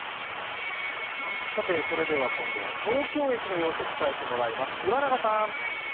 今度は東京駅の様子、伝えてもらいます。